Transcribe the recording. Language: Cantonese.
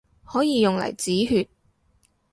可以用嚟止血